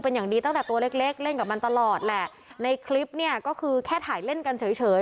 เป็นอย่างดีตั้งแต่ตัวเล็กเล็กเล่นกับมันตลอดแหละในคลิปเนี่ยก็คือแค่ถ่ายเล่นกันเฉยเฉย